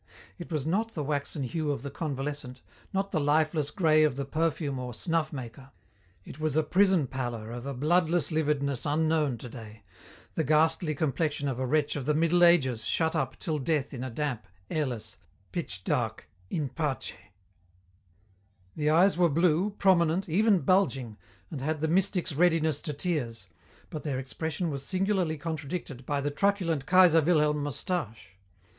It was not the waxen hue of the convalescent, not the lifeless grey of the perfume or snuff maker, it was a prison pallor of a bloodless lividness unknown today, the ghastly complexion of a wretch of the Middle Ages shut up till death in a damp, airless, pitch dark in pace. The eyes were blue, prominent, even bulging, and had the mystic's readiness to tears, but their expression was singularly contradicted by the truculent Kaiser Wilhelm moustache.